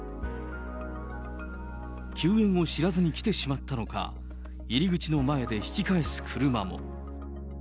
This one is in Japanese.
休園を知らずに来てしまったのか、入り口の前で引き返す車も。